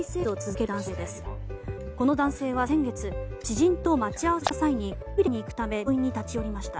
この男性は先月知人と待ち合わせをした際にトイレに行くため病院に立ち寄りました。